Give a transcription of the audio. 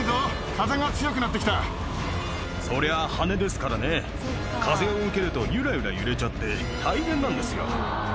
風が強くなってきそりゃあ、羽根ですからね、風を受けるとゆらゆら揺れちゃって、大変なんですよ。